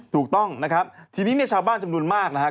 ถูกต้องนะครับทีนี้เนี่ยชาวบ้านจำนวนมากนะครับ